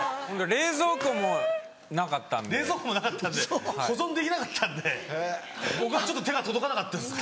冷蔵庫もなかったんで保存できなかったんで僕はちょっと手が届かなかったです。